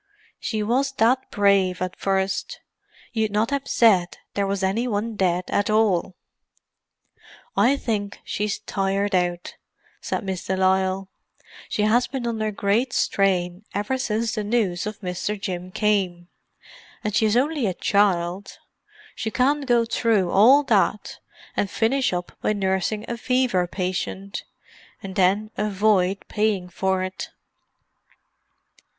She was that brave at first, you'd not have said there was any one dead at all." "I think she's tired out," said Miss de Lisle. "She has been under great strain ever since the news of Mr. Jim came. And she is only a child. She can't go through all that and finish up by nursing a fever patient—and then avoid paying for it."